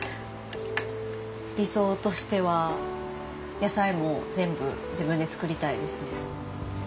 理想としては野菜も全部自分で作りたいですね。